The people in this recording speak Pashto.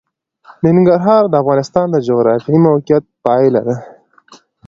ننګرهار د افغانستان د جغرافیایي موقیعت پایله ده.